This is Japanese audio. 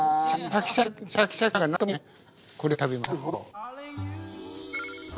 これを食べますと。